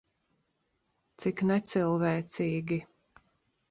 Cik necilvēcīgi.